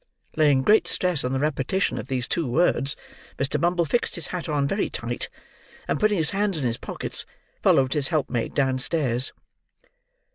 Laying great stress on the repetition of these two words, Mr. Bumble fixed his hat on very tight, and putting his hands in his pockets, followed his helpmate downstairs.